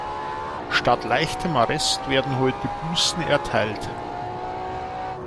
Statt leichtem Arrest werden heute Bußen erteilt.